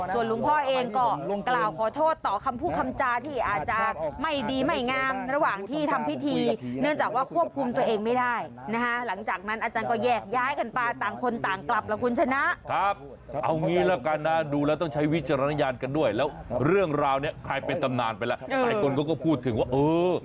ส่วนหลวงพ่อเองก็กล่าวขอโทษต่อคำพูดคำจาที่อาจจะไม่ดีไม่งามระหว่างที่ทำพิธีเนื่องจากว่าควบคุมตัวเองไม่ได้นะฮะหลังจากนั้นอาจารย์ก็แยกย้ายกันไปต่างคนต่างกลับล่ะคุณชนะครับเอางี้ละกันนะดูแล้วต้องใช้วิจารณญาณกันด้วยแล้วเรื่องราวเนี้ยใครเป็นตำนานไปแล้วหลายคนเขาก็พูดถึงว่าเออ